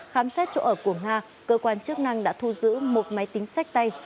khám xét chỗ ở của nga cơ quan chức năng đã thu giữ một máy tính sách tay